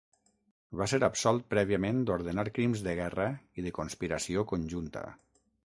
Va ser absolt prèviament d'ordenar crims de guerra i de conspiració conjunta.